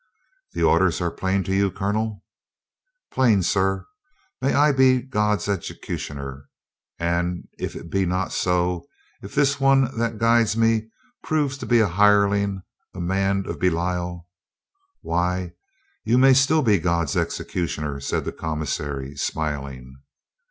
"The orders are plain to you, Colonel?" "Plain, sir. May I be God's executioner! And if it be not so ; if this one that guides me prove an hireling, a man of Belial " "Why, you may still be God's executioner," said the commissary, smiling.